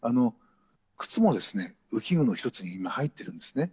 靴もですね、浮き具の一つに今、入ってるんですね。